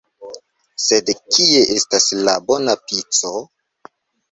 Sed kie estas la bona pico?